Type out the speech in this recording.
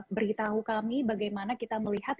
beritahu kami bagaimana kita melihat